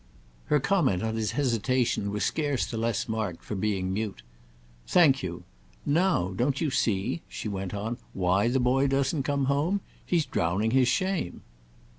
Her comment on his hesitation was scarce the less marked for being mute. "Thank you. Now don't you see," she went on, "why the boy doesn't come home? He's drowning his shame."